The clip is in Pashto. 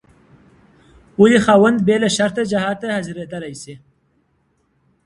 ولي خاوند بيله شرطه جهاد ته حاضرېدلای سي؟